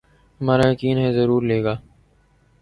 ہمارا یقین ہے ضرور لیگا